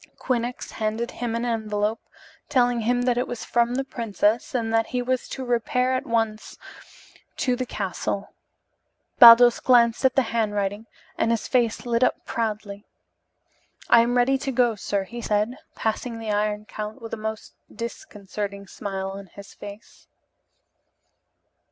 Quinnox handed him an envelope, telling him that it was from the princess and that he was to repair at once to the castle, Baldos glanced at the handwriting, and his face lit up proudly. "I am ready to go, sir," he said, passing the Iron Count with a most disconcerting smile on his face.